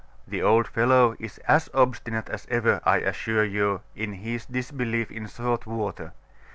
'The old fellow is as obstinate as ever, I assure you, in his disbelief in salt water.